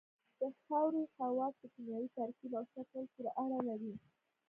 د خاورې خواص په کیمیاوي ترکیب او شکل پورې اړه لري